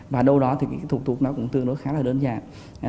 và đâu đó thì cái thuộc thuộc nó cũng tương đối khá là đơn giản